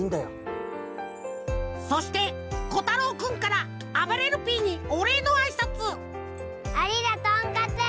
そしてこたろうくんからあばれるＰにおれいのあいさつありがとんかつ！